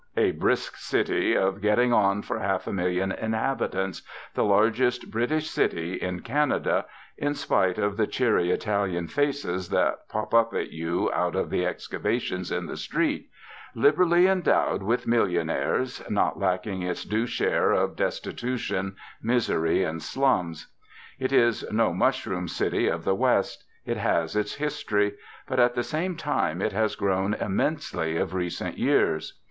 A brisk city of getting on for half a million inhabitants, the largest British city in Canada (in spite of the cheery Italian faces that pop up at you out of excavations in the street), liberally endowed with millionaires, not lacking its due share of destitution, misery, and slums. It is no mushroom city of the West, it has its history; but at the same time it has grown immensely of recent years.